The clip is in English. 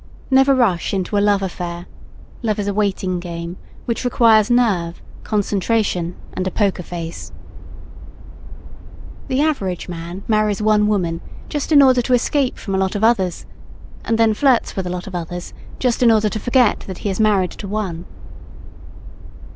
Never rush into a love affair. Love is a waiting game, which requires nerve, concentration, and a poker face. The average man marries one woman just in order to escape from a lot of others and then flirts with a lot of others just in order to forget that he is married to one.